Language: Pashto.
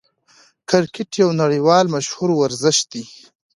کرکټ یو نړۍوال مشهور ورزش دئ.